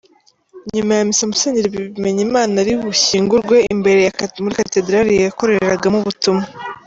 Nyuma ya Misa, Musenyeri Bimenyimana ari bushyingurwe imbere muri Katederali yakoreragamo ubutumwa.